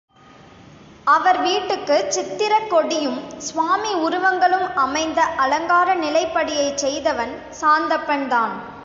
அவர் வீட்டுக்குச் சித்திரக்கொடியும், சுவாமி உருவங்களும் அமைந்த அலங்கார நிலைப்படியைச் செய்தவன் சாந்தப்பன்தான்.